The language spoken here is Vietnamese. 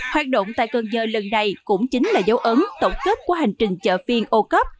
hoạt động tại cơn nhơ lần này cũng chính là dấu ấn tổng kết của hành trình chợ phiên ocov